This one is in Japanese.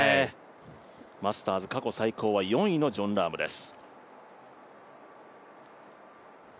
マスターズ過去最高は４位のジョン・ラームです。